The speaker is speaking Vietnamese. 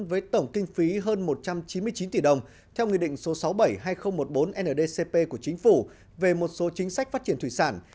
với tổng kinh phí hơn một trăm chín mươi chín tỷ đồng theo nghị định số sáu trăm bảy mươi hai nghìn một mươi bốn ndcp của chính phủ về một số chính sách phát triển thủy sản